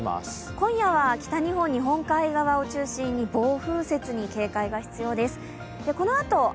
今夜は北日本、日本海側を中心に暴風雪に注意が必要です。